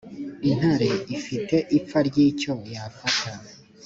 intare ifite ipfa ry’icyo yafata